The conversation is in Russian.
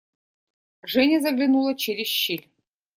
Женя заглянула через щель.